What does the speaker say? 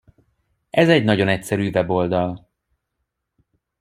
Ez egy nagyon egyszerű weboldal.